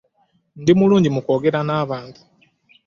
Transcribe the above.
Ndi mulungi mu kwogera n'abantu.